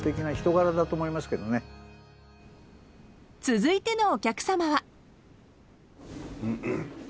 ［続いてのお客さまは］